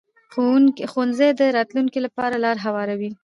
ښوونځی د راتلونکي لپاره لار هواروي